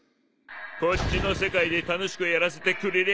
こっちの世界で楽しくやらせてくれりゃ